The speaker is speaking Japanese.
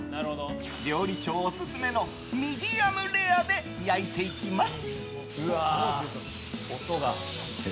料理長オススメのミディアムレアで焼いていきます。